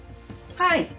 はい。